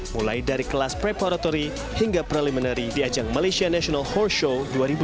mulai dari kelas preparatory hingga preliminary di ajang malaysia national hoard show dua ribu dua puluh